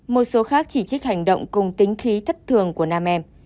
một số khác chỉ trích hành động cùng tính khí thất thường của nam em